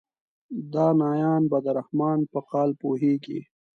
دانایان به د رحمان په قال پوهیږي.